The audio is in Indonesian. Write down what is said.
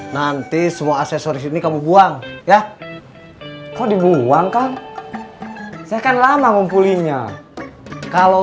nanti semua aksesoris ini kamu buang ya kau dibuang kok saya kan lama ngumpulinnya kalau